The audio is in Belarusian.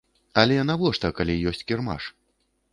Але навошта, калі ёсць кірмаш?